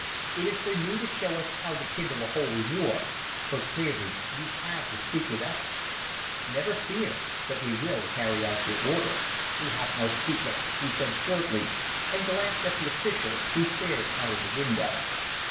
It is for you to show us how to kindle a holy war, for clearly you have the secret of it. Never fear but we will carry out your order." "We have no secret," he said shortly, and glanced at the official, who stared out of the window.